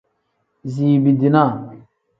Ziibi-dinaa.